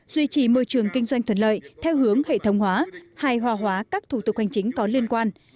duy trì môi trường kinh doanh thuận lợi theo hướng hệ thống hóa hài hòa hóa các thủ tục hành chính có liên quan